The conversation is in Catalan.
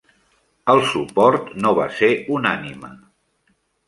El suport no va ser unànime.